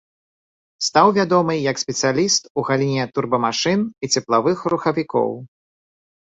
Стаў вядомы як спецыяліст у галіне турбамашын і цеплавых рухавікоў.